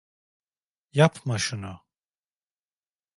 Yapma şunu.